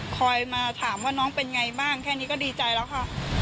คอยมาถามว่าน้องเป็นไงบ้างแค่นี้ก็ดีใจแล้วค่ะ